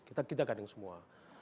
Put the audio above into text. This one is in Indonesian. kita kandung semua